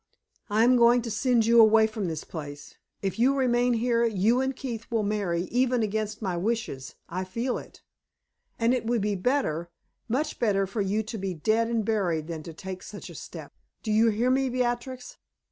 I am going to send you away from this place. If you remain here, you and Keith will marry, even against my wishes I feel it. And it would be better much better for you to be dead and buried than to take such a step. Do you hear me, Beatrix?"